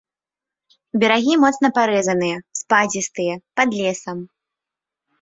Берагі моцна парэзаныя, спадзістыя, пад лесам.